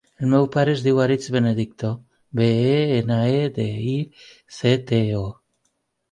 El meu pare es diu Aritz Benedicto: be, e, ena, e, de, i, ce, te, o.